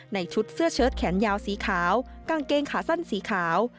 ชุดเสื้อเชิดแขนยาวสีขาวกางเกงขาสั้นสีขาว